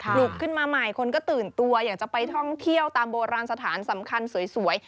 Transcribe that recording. ลุกขึ้นมาใหม่คนก็ตื่นตัวอยากจะไปท่องเที่ยวตามโบราณสถานสำคัญสวย